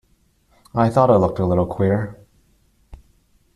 I thought it looked a little queer.